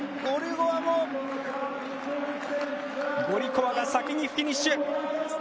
ゴリコワが先にフィニッシュ。